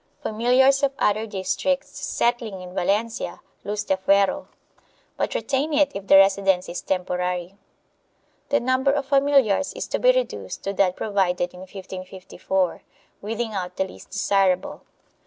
Familiars of other districts settling in Valencia lose the fuero, but retain it if the residence is temporary. The number of familiars is to be reduced to that provided in 1554, weeding out the least desirable.